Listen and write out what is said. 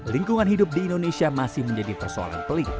lingkungan hidup di indonesia masih menjadi persoalan pelik